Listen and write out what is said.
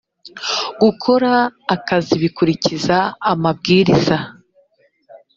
gukora akazi bikurikiza amabwiriza